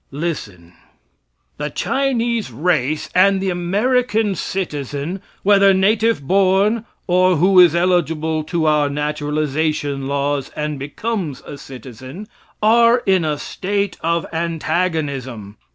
Listen: "The Chinese race and the American citizen, whether native born or who is eligible to our naturalization laws and becomes a citizen, are in a state of antagonism.